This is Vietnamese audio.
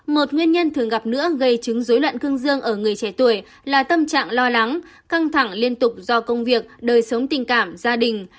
một nguyên nhân thường gặp nữa gây chứng dối loạn cương dương ở người trẻ tuổi là tâm trạng lo lắng căng thẳng liên tục do công việc đời sống tình cảm gia đình